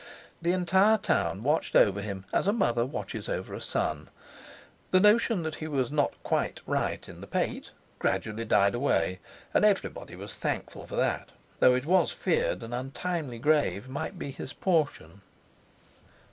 The entire town watched over him as a mother watches over a son. The notion that he was not QUITE right in the pate gradually died away, and everybody was thankful for that, though it was feared an untimely grave might be his portion.